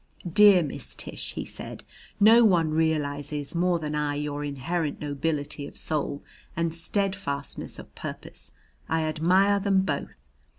"Dear Miss Tish," he said; "no one realizes more than I your inherent nobility of soul and steadfastness of purpose. I admire them both.